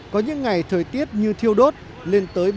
có những ngày thời tiết như thiêu đốt lên tới ba mươi chín bốn mươi độ c